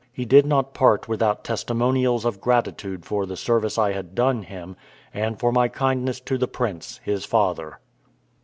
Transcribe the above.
He did not part without testimonials of gratitude for the service I had done him, and for my kindness to the prince, his father.